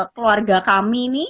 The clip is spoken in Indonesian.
keluarga kami ini